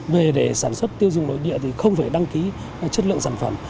về để sản xuất tiêu dùng nội địa thì không phải đăng ký chất lượng sản phẩm